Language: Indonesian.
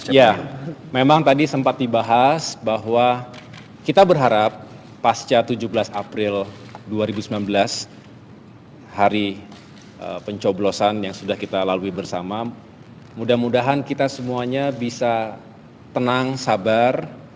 ya memang tadi sempat dibahas bahwa kita berharap pasca tujuh belas april dua ribu sembilan belas hari pencoblosan yang sudah kita lalui bersama mudah mudahan kita semuanya bisa tenang sabar